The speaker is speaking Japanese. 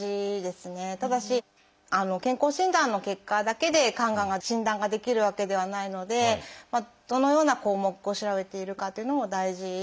ただし健康診断の結果だけで肝がんが診断ができるわけではないのでどのような項目を調べているかというのも大事ですね。